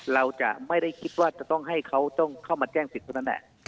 เราจะไม่ได้คิดว่าจะต้องให้เขาต้องเข้ามาแจ้งสิทธิ์เท่านั้นแหละ